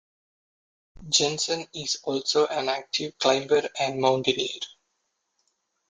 Jenssen is also an active climber and mountaineer.